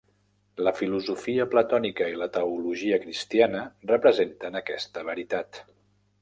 La filosofia platònica i la teologia cristiana representen aquesta veritat.